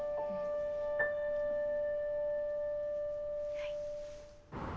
はい。